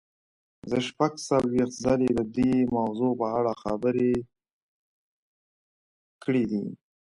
زه شپږ څلوېښت ځلې د دې موضوع په اړه خبرې کړې دي.